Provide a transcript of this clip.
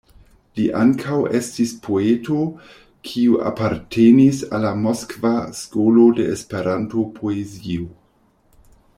Li ankaŭ estis poeto, kiu apartenis al la Moskva skolo de Esperanto-poezio.